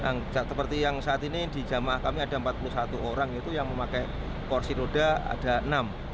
nah seperti yang saat ini di jamaah kami ada empat puluh satu orang itu yang memakai kursi roda ada enam